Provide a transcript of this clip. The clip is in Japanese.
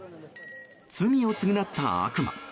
罪を償った悪魔。